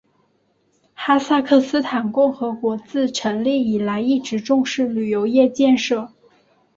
哈萨克斯坦共和国自成立以来一直重视旅游业建设。